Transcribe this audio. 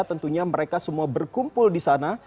tentunya mereka semua berkumpul di sana